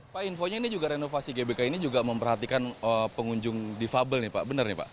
pak infonya renovasi gbk ini juga memperhatikan pengunjung defable benar ya pak